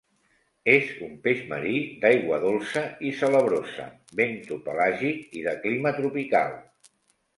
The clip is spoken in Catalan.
És un peix marí, d'aigua dolça i salabrosa; bentopelàgic i de clima tropical.